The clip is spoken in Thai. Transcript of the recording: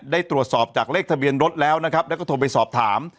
ได้ตรวจสอบจากเลขทะเบียนรถแล้วนะครับแล้วก็โทรไปสอบถาม